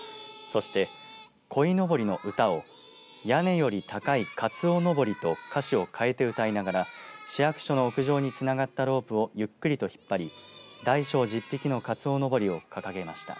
そして、こいのぼりの歌を屋根より高いかつおのぼりと歌詞を変えて歌いながら市役所の屋上につながったロープをゆっくりと引っ張り大小１０匹のかつおのぼりを掲げました。